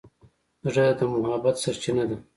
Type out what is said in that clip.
زړه د محبت سرچینه ده.